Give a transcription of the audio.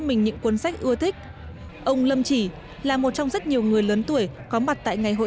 mình những cuốn sách ưa thích ông lâm chỉ là một trong rất nhiều người lớn tuổi có mặt tại ngày hội